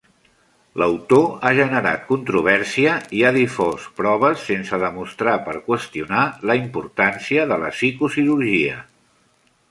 L'autor ha generat controvèrsia i ha difós proves sense demostrar per qüestionar la importància de la psicocirurgia.